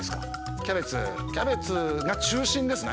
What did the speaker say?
キャベツキャベツが中心ですね。